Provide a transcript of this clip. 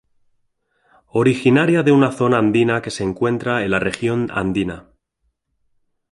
Originaria de una zona andina que se encuentra en la región andina.